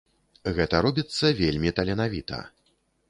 Гэта робіцца вельмі таленавіта.